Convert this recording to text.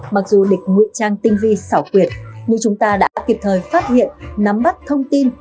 mặc dù địch ngụy trang tinh vi xảo quyệt nhưng chúng ta đã kịp thời phát hiện nắm bắt thông tin